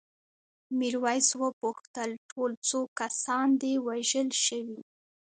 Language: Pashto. میرويس وپوښتل ټول څو کسان دي وژل شوي؟